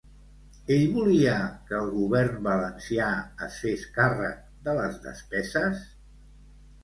Ell volia que el govern valencià es fes càrrec de les despeses?